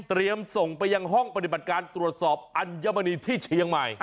ส่งไปยังห้องปฏิบัติการตรวจสอบอัญมณีที่เชียงใหม่